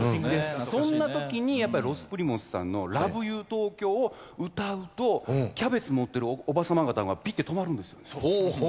そんなときにやっぱりロス・プリモスさんの『ラブユー東京』を歌うとキャベツ持ってるおば様方がピッて止まるんですよね。